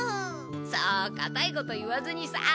そうかたいこと言わずにさあ。